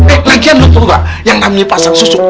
eh lagian lo tau gak yang namanya pasang susuk